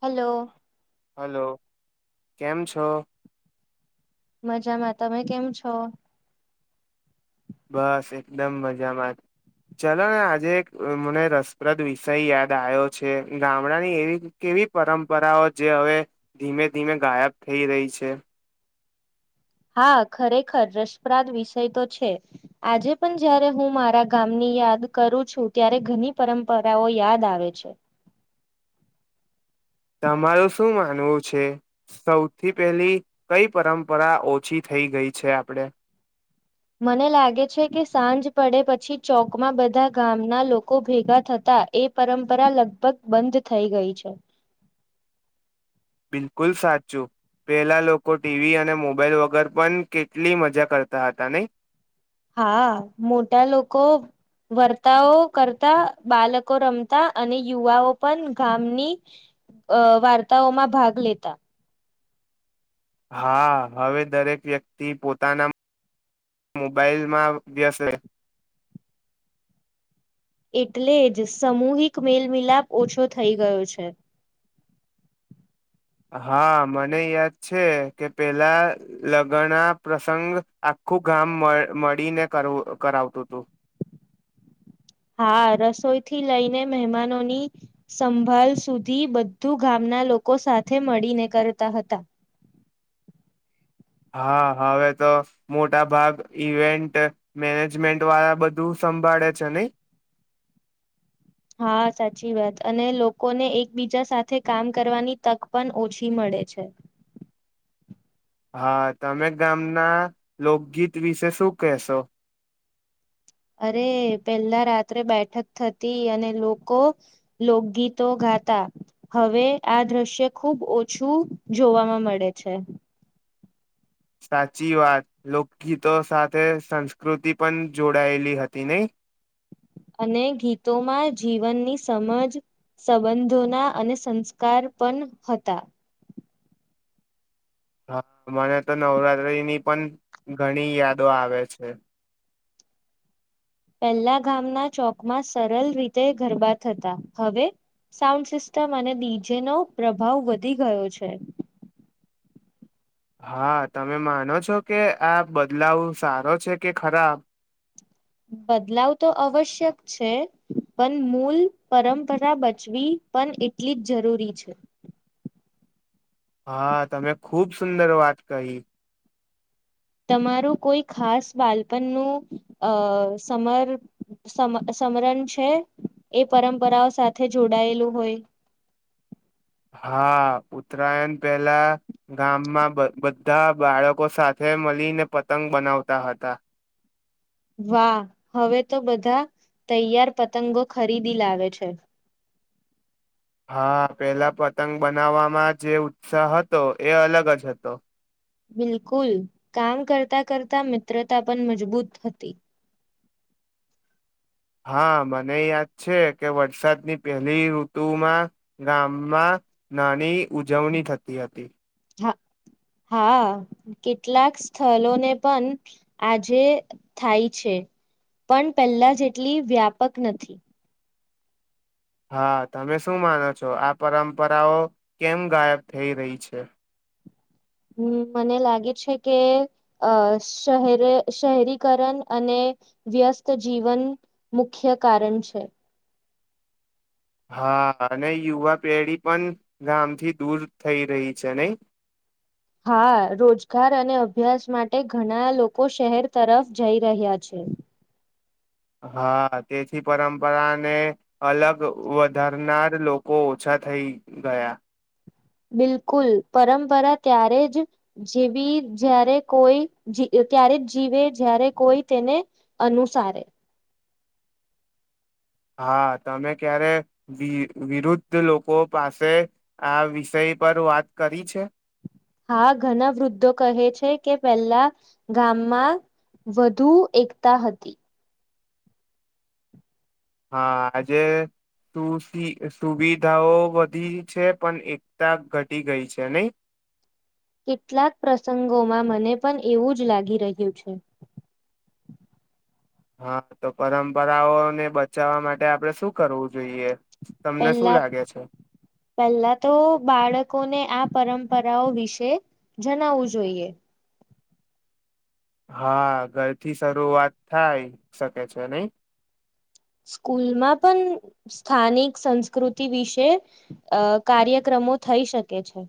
[inaudible] Hello hello કેમ છો. મજામાં તમે કેમ છો બસ એકદમ મજામાં ચલો ને આજે એક મને રસપ્રદ વિષય યાદ આયો છે ગામડાની એવી કેવી પરંપરાઓ જે હવે ધીમે ધીમે ગાયબ થઈ રહી છે. હા ખરેખર રસપ્રાદ વિષય તો છે આજે પણ જારે હું મારા ગામની યાદ કરું છું ત્યારે ઘણી પરંપરાઓ યાદ આવે છે. તમારું શું માનવું છે સૌથી પહેલી કઈ પરંપરા ઓછી થઈ ગઈ છે આપણે. મને લાગે છે કે સાંજ પડે પછી ચોકમાં બધા ગામના લોકો ભેગા થતા એ પરંપરા લગભગ બંધ થઈ ગઈ છે. બિલકુલ સાચું પેલા લોકો ટીવી અને મોબાઈલ વગર પણ કેટલી મજા કરતા હતા નહી. હા મોટા લોકો વર્તાઓ કરતા બાળકો રમતા અને યુવાઓ પણ ગામની અ વાર્તાઓમાં ભાગ લેતા. હા હવે દરેક વ્યક્તિ પોતાના મોબાઈલમાં વેસ્ત એટલે જ સામૂહિક મેલમિલાપ ઓછો થઈ ગયો છે. હા મને યાદ છે કે પેલા લગ્ન પ્રસંગ આખું ગામ મળ મળીને કરાવતું હતું. હા રસોઈથી લઈને મહેમાનોની સંભાળ સુધી બધું ગામના લોકો સાથે મળીને કરતા હતા. હા હવે તો મોટા ભાગ ઈવેન્ટ મેનેજમેન્ટ વાળા બધું સંભાળે છે નહી. હા સાચી વાત અને લોકોને એકબીજા સાથે કામ કરવાની તક પણ ઓછી મળે છે. હા તમે ગામના લોકગીત વિશે શું કહેશો. અરે પેલા રાત બેઠક થતી અને લોકો લોકગીતો ગાતા હવે આ દ્રશ્ય ખુબ ઓછું જોવામાં મળે છે. સાચી વાત લોકગીતો સાથે સંસ્કૃતિ પણ જોડાયેલી હતી નહિ. અને ગીતોમાં જીવનની સમજ સંબંધોના અને સંસ્કાર પણ હતા. હા મને તો નવરાત્રીની પણ ઘણી યાદો આવે છે. પહેલા ગામના ચોકમાં સરળ રીતે ગરબા થતા હવે સાઉન્ડ સિસ્ટમ અને ડીજેનો પ્રભાવ વધી ગયો છે. હા તમે માનો છો કે આ બદલાવ સારો છે કે ખરાબ? બદલાવ તો આવશ્યક છે પણ મૂલ પરંપરા બચવી પણ એટલી જ જરૂરી છે. હા તમે ખુબ સુંદર વાત કહી. તમારું કોઈ ખાસ બાલપણનું અ સમર સમરણ છે એ પરંપરાઓ સાથે જોડાયેલું હોય. હા ઉતરાયણ પહેલા ગામમાં બધા બાળકો સાથે મળીને પતંગ બનાવતા હતા. વાહ હવે તો બધા તૈયાર પતંગો ખરીદી લાવે છે. હા પેલા પતંગ બનાવવામાં જે ઉત્સાહ હતો એ અલગ જ હતો. બિલકુલ કામ કરતા કરતા મિત્રતા પણ મજબૂત હતી. હા મને યાદ છે કે વરસાદની પહેલી ઋતુમાં ગામમાં નાની ઉજવણી થતી હતી. હા હા કેટલાક સ્થળને પણ આજે થાય છે પણ પહેલા જેટલી વ્યાપક નથી. હા તમે શું માનો છો આ પરંપરાઓ કેમ ગાયબ થઈ રહી છે. હમ્મ મને લાગે છે કે અ શહેરે શહેરીકરણ અને વ્યસ્ત જીવન મુખ્ય કારણ છે. હા હવે યુવા પેઢી પણ ગામથી દૂર થઈ રહી છે નહી. હા રોજગાર અને અભ્યાસ માટે ઘણા લોકો શહેર તરફ જઈ રહ્યા છે. હા તેથી પરંપરાને અલગ વધારનાર લોકો ઓછા થઈ ગયા. બિલકુલ પરંપરા ત્યારે જ જેવી જ્યારે કોઈ જ ત્યારે જ જીવે જ્યારે કોઈ તેને અનુસારે. હા તમે ક્યારે વિ વિરુદ્ધ લોકો પાસે આ વિષય પર વાત કરી છે. હા ઘણા વૃદ્ધો કહે છે કે પેલા ગામમાં વધુ એકતા હતી. હા આજે સુ સુવિધાઓ વધી છે પણ એકતા ઘટી ગઈ છે નહી. કેટલાક પ્રસંગોમાં મને પણ એવું જ લાગી રહ્યું છે. હા તો પરંપરાઓને બચાવવા માટે આપડે શું કરવું જોઈએ તમને શું પહેલા લાગે છે પહેલા તો બાળકોને આપ પરંપરાઓ વિશે જણાવવું જોઈએ હા ઘરથી શરૂઆત થાય શકે છે નહી સ્કૂલમાં પણ સ્થાનિક સંસ્કૃતિ વિશે અ કાર્યક્રમો થઈ શકે છે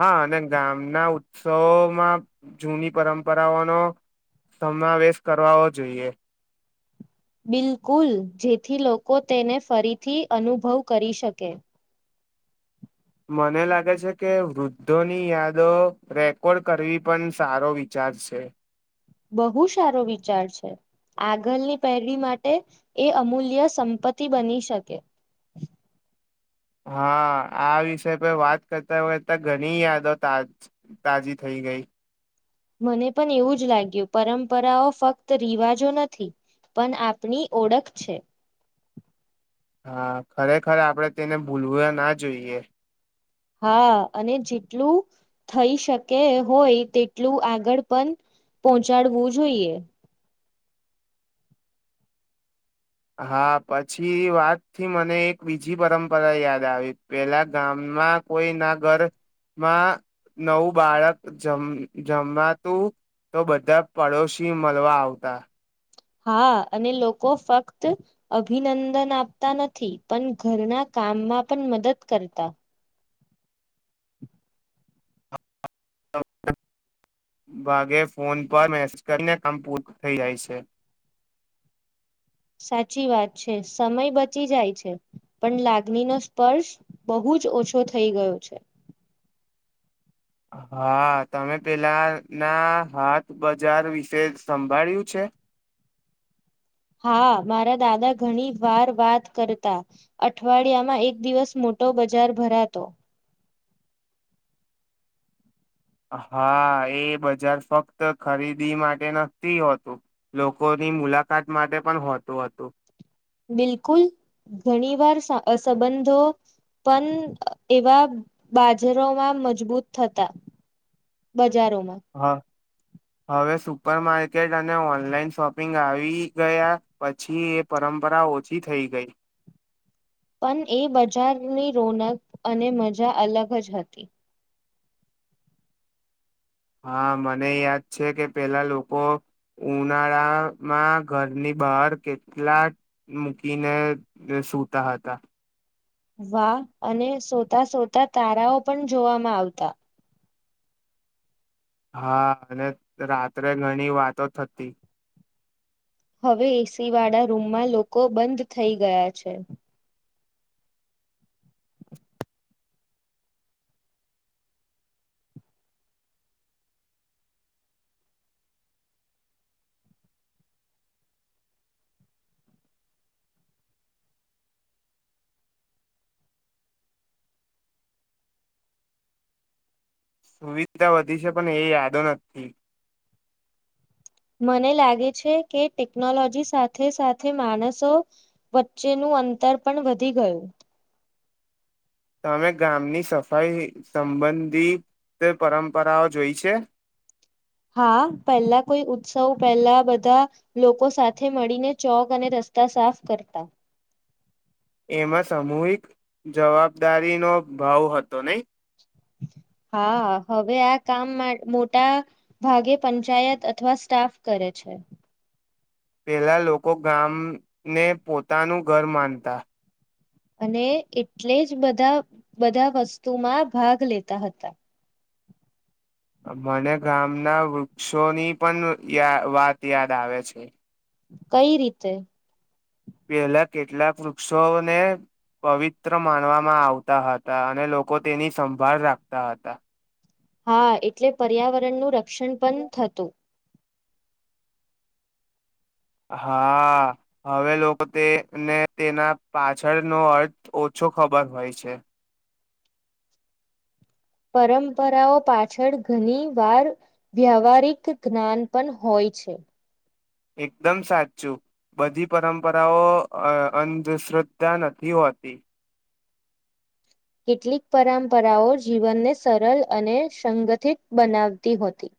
હા અને ગામના ઉત્સવમાં જૂની પરંપરાઓનોો સમાવેશ કરવાવો જોઈએ બિલકુલ જેથી લોકો તેને ફરીથી અનુભવ કરી શકે મને લાગે છે કે વૃદ્ધોની યાદો રેકોર્ડ કરવી પણ સારો વિચાર છે બહુ સારો વિચાર છે આગળની પહેરઢ માટે એ અમૂલ્ય સંપત્તિ બની શકે હા આ વિષય પર વાત કરતા કરતા ઘણી યાદો તાજી થઈ ગઈ મને પણ એવું જ લાગ્યું પરંપરાઓ ફક્ત રિવાજો નથી પણ આપણી ઓળખ છે હા ખરેખર આપણેે તેને ભૂલવું ના જોઈએ હા અને જેટલું થઈ શકે હોય તેટલું આગળ પણ પહોંચાડવું જોઈએ હા પછી વાતથી મને એક બીજી પરંપરા યાદ આવી પેલા ગામમાં કોઈ ના ઘરમાં નવું બાળક જમ જમવાતું તો બધા પડોશી મળવા આવતા હા અને લોકો ફક્ત અભિનંદન આપતા નથી પણ ઘરના કામમાં પણ મદદ કરતા ભાગે ફોન પર મેસેજ કરીને કામ પૂરું થઈ જાય છે સાચી વાત છે સમય બચી જાય છે પણ લાગણી નો સ્પર્શ બહુ જ ઓછો થઈ ગયો છે હા તમે પેલાના હાથ બજાર વિશે સંભાળ્યું છે હા મારા દાદા ઘણી વાર વાત કરતા અઠવાડિયામાં એક દિવસ મોટો બજાર ભરાતો હા એ બજાર ફક્ત ખરીદી માટે નથીતી હોતું લોકોની મુલાકાત માટે પણ હોતું હતું બિલકુલ ઘણી વાર સંબંધો પણ એવા બાજરોમાં મજબૂત થતા બજારોમાં હા હવે સુપરમાર્કેટ અને ઓનલાઈન શોપિંગ આવી ગયા પછી એ પરંપરા ઓછી થઈ ગઈ પણ એ બજારની રોનક અને મજા અલગ જ હતી હા મને યાદ છે કે પેલા લોકો ઉનાળામાં ઘરની બહાર કેટલા મૂકીને સૂતા હતા વાહ અને સોતા સોતા તારાઓ પણ જોવામાં આવતા હા અને રાત્રે ઘણી વાતો થતી હવે એસી વાળા રૂમમાં લોકો બંધ થઈ ગયા છે સુવિધા વધી છે પણ એ યાદો નથી મને લાગે છે કે ટેકનોલોજી સાથે સાથે માણસો વચ્ચેનું અંતર પણ વધી ગયું તમે ગામની સફાઈ સંબંધિત પરંપરાઓ જોઈ છે હા પહેલા કોઈ ઉત્સવ પહેલા બધા લોકો સાથે મળીને ચોક અને રસ્તા સાફ કરતા એમાં સામૂહિક જવાબદારી નો ભાવ હતો નઈ હા હવે આ કામ મોટા ભાગે પંચાયત અથવા સ્ટાફ કરે છે પહેલા લોકો ગામને પોતાનું ઘર માનતા અને એટલે જ બધા બધા વસ્તુમાં ભાગ લેતા હતા મને ગામના વૃક્ષોની પણ વાત યાદ આવે છે કઈ રીતે પહેલા કેટલાક વૃક્ષોને પવિત્ર માનવામાં આવતા હતા અને લોકો તેની સંભાળ રાખતા હતા હા એટલે પર્યાવરણ નું ર ઓશન પણ થતું હા હવે લોકો તેને તેના પાછળનોો અર્થ ઓછો ખબર હોય છે પરંપરાઓ પાછળ ઘણી વાર વ્યાવહારિક જ્ઞાન પણ હોય છે એકદમ સાચું બધી પરંપરાઓ અંધશ્રદ્ધા નથી હોતી કેટલીક પરંપરાઓ જીવનને સરળ અને સંગઠિત બનાવતી હોતી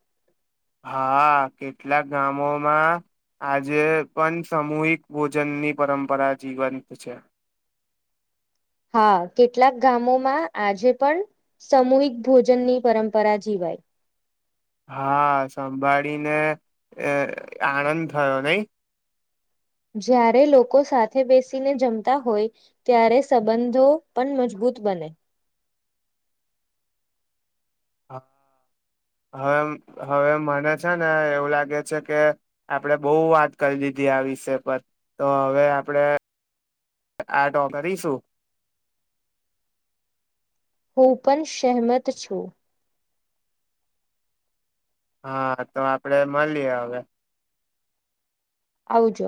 હા કેટલાક ગામોમાં આજે પણ સામૂહિક ભોજનની પરંપરા જીવંત છે હા કેટલાક ગામોમાં આજે પણ સામૂહિક ભોજનની પરંપરા જીવાય હા સંભાળીને આનંદ થયો નહ જ્યારે લોકો સાથે બેસીને જમતા હોય ત્યારે સંબંધો પણ મજબૂત બને હા હવે હવે મને છે ને એવું લાગે છે કે આપડે બહ વાત કરી દીધી આ વિષય પર તો હવે આપણેે આ ટો કરીશું હપન સહેમત છું હા તો આપડે મળીએ હવે આવુંજો